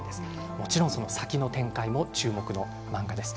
もちろん、この先の展開も注目の漫画です。